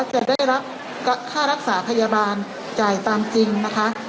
จะได้รับค่ารักษาพยาบาลจ่ายตามจริงนะคะ